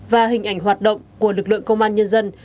và hình ảnh hoạt động của lực lượng công an nhân dân